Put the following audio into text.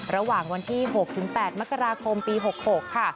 ระหว่างวันที่๖๘มกราคมปี๖๖ค่ะ